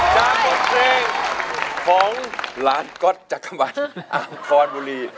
จากเพลงของล้านก็อตจักรมันอาร์มคอนบุรี